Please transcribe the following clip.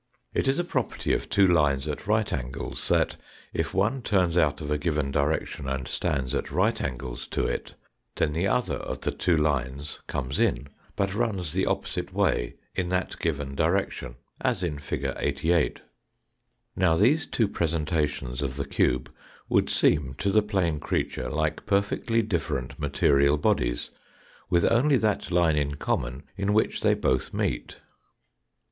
It is a property of two lines at right angles that, if one turns out of a given direction and stands at right angles to it, then the other 'B of the two lines comes in, but runs the opposite way in that given direction, as in fig. 88. Now these two presentations of the cube would seem, to the plane creature like perfectly different material bodies, with only that line in common in which they both meet.